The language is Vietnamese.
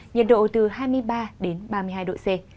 nhiệt độ từ hai mươi ba đến ba mươi hai độ c